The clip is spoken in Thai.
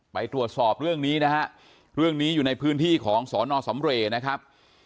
ไปตรวจสอบเรื่องนี้นะฮะเรื่องนี้อยู่ในพื้นที่ของสอนอสำเรย์นะครับ